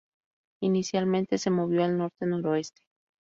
Inicialmente, se movió al norte-noroeste.